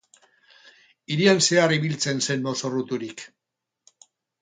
Hirian zehar ibiltzen zen mozorroturik.